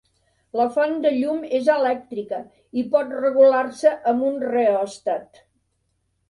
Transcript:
La font de llum és elèctrica i pot regular-se amb un reòstat.